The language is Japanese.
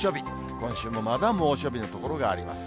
今週もまだ猛暑日の所があります。